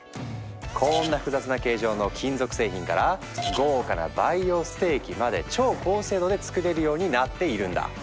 こんな複雑な形状の金属製品から豪華な培養ステーキまで超高精度で作れるようになっているんだ！